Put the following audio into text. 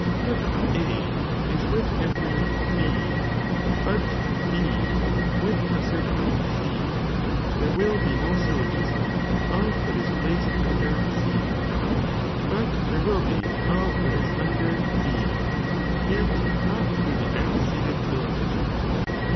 if A is with every B, but B with a certain C, there will be no syllogism of what b placed under C, hut there will be of what is under B, yet not through the antecedent syllogism.